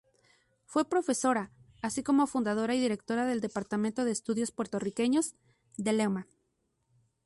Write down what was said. Fue profesora, así como fundadora y directora del Departamento de Estudios Puertorriqueños, de Lehman.